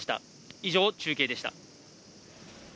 以上、中継でした。